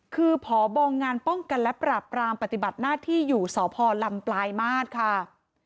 คือพบงานป้องกันและปราบรามปฏิบัติหน้าที่อยู่สพลำปลายมาตรค่ะ